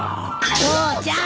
父ちゃん！